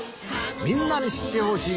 みんなにしってほしい